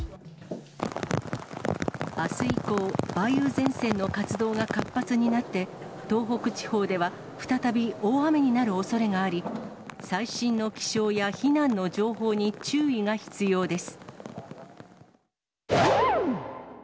あす以降、梅雨前線の活動が活発になって、東北地方では再び大雨になるおそれがあり、最新の気象や避難の情報に注意が必要です。